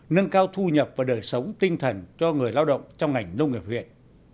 nâng cao thu nhập và đời sống tinh thần cho người lao động trong ngành nông nghiệp huyện